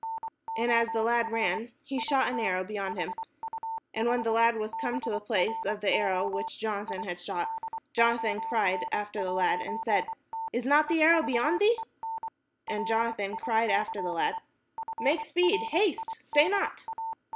And as the lad ran, he shot an arrow beyond him. And when the lad was come to the place of the arrow which Jona than had shot, Jonathan cried after the lad, and said," Is not the arrow beyond thee?" And Jonathan cried after the lad, "Make speed, haste, stay not."